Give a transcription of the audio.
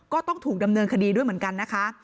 ก็ต้องถูกดำเนินคดีด้วยเหมือนกันนะคะ